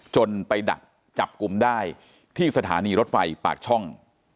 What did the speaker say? จนไปดักจับกลุ่มได้ที่สถานีรถไฟปากช่อง